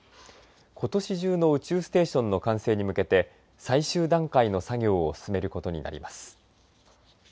ことし中の宇宙ステーションの完成に向けて最終段階の作業を進めることになります。